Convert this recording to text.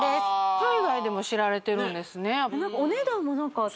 海外でも知られてるんですね